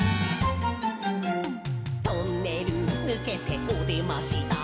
「トンネル抜けておでましだ」